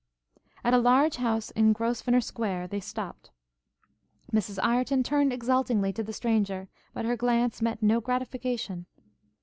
At a large house in Grosvenor Square they stopt. Mrs Ireton turned exultingly to the stranger: but her glance met no gratification.